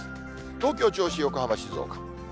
東京、銚子、横浜、静岡。